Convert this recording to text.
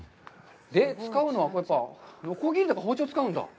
使うのは、のこぎりとか包丁使うんだ。